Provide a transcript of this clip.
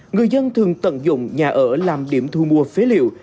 người dân thường tận dụng nhà ở làm điểm thu mua phế liệu